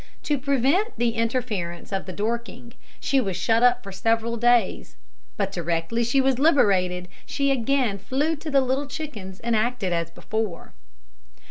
To prevent the interference of the Dorking, she was shut up for several days; but directly she was liberated, she again flew to the little chickens and acted as before.